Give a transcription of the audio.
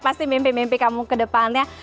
pasti mimpi mimpi kamu ke depannya